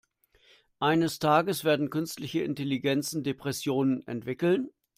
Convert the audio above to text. Eines Tages werden künstliche Intelligenzen Depressionen entwickeln.